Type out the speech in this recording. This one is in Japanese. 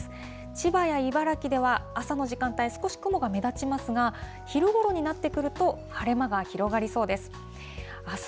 千葉や茨城では、朝の時間帯、少し雲が目立ちますが、昼ごろになってくると、晴れ間が広がりそうです。